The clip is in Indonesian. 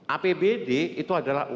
apbd itu adalah uangnya